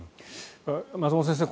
松本先生